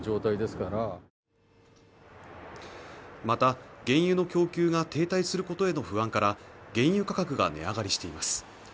また原油の供給が停滞することへの不安から原油価格が値上がりしています